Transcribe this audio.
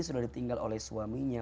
sudah ditinggal oleh suaminya